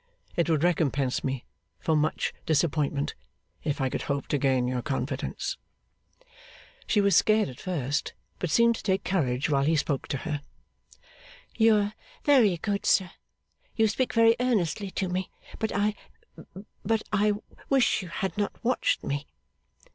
It would recompense me for much disappointment if I could hope to gain your confidence.' She was scared at first, but seemed to take courage while he spoke to her. 'You are very good, sir. You speak very earnestly to me. But I but I wish you had not watched me.